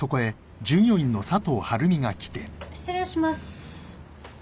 失礼します。